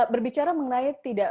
berbicara mengenai tidak